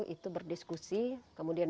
itu berdiskusi kemudian